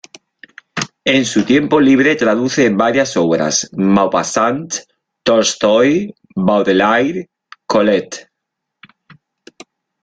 En su tiempo libre traduce varias obras: Maupassant, Tolstoi, Baudelaire, Colette...